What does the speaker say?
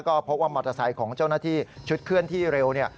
ก็พบว่ามอเตอร์ไซค์ของเจ้าหน้าที่ชุดเคลื่อนที่เร็วเนี่ย